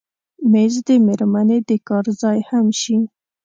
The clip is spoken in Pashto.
مېز د مېرمنې د کار ځای هم شي.